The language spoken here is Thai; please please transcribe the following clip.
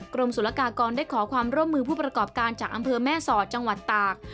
กรมศุลกากรได้ขอความร่วมมือผู้ประกอบการจากอำเภอแม่สอดจังหวัดตาก